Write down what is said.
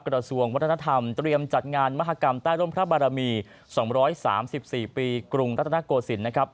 กระทรวงวัฒนธรรมเตรียมจัดงานมหากรรมใต้ร่มพระบารมี๒๓๔ปีกรุงรัฐนโกศิลป์